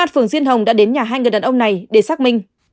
phường diên hồng đã đến nhà hai người đàn ông này để xác minh